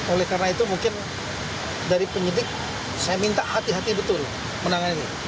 oleh karena itu mungkin dari penyidik saya minta hati hati betul menangani